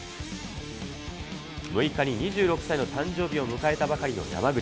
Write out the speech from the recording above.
６日に２６歳の誕生日を迎えたばかりの山口。